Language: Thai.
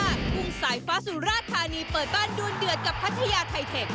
อันดับที่๕ภูมิสายฟ้าศูนย์ราชธานีเปิดบ้านดวนเดือดกับภัทยาไทเทค